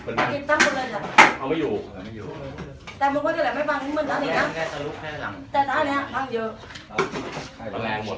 มันแค่จะลุกแค่หลังแต่ตรงนี้ฮะบ้างเยอะอ่ามันแรงหมด